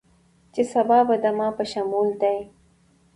چې سبا به دما په شمول دې